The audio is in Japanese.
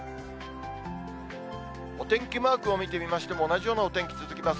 お天気マークを見てみましても、同じようなお天気続きます。